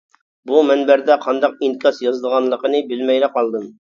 بۇ مۇنبەردە قانداق ئىنكاس يازىدىغانلىقىنى بىلمەيلا قالدىم.